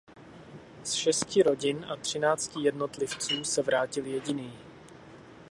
Z šesti rodin a třinácti jednotlivců se vrátil jediný.